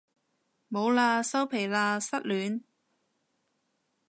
冇喇收皮喇失戀